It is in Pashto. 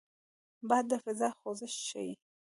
باد د فضا خوځښت ښيي